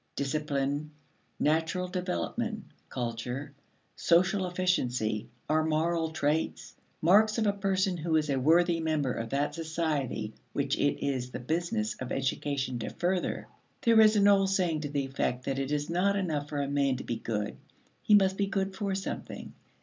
Discipline, natural development, culture, social efficiency, are moral traits marks of a person who is a worthy member of that society which it is the business of education to further. There is an old saying to the effect that it is not enough for a man to be good; he must be good for something.